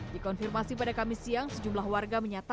dikonfirmasi pada kamis siang sejumlah warga menyatakan